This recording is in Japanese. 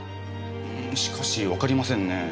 しかしわかりませんねえ。